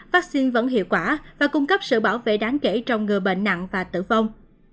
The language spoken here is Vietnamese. vaccine vẫn hiệu quả và cung cấp sự bảo vệ đáng kể trong người bệnh nặng và tử vong